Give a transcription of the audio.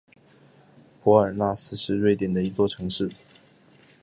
博尔奈斯是瑞典的一座城市。